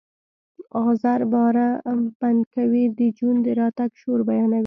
آزر باره بنکوی د جون د راتګ شور بیانوي